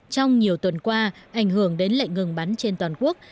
trong nhiều tuần qua ảnh hưởng đến lệnh ngừng bắn trên toàn quốc